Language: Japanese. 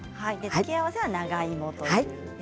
付け合わせは長芋です。